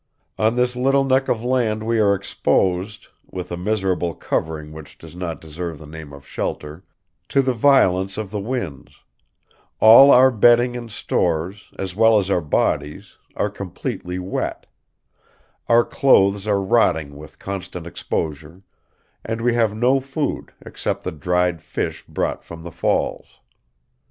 On this little neck of land we are exposed, with a miserable covering which does not deserve the name of shelter, to the violence of the winds; all our bedding and stores, as well as our bodies, are completely wet; our clothes are rotting with constant exposure, and we have no food except the dried fish brought from the falls.